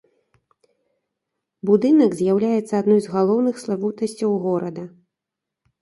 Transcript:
Будынак з'яўляецца адной з галоўных славутасцяў горада.